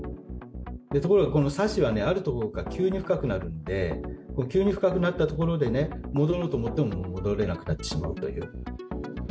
ところが、この砂嘴はあるところから急に深くなるんで、急に深くなった所で戻ろうと思っても、戻れなくなってしまうという。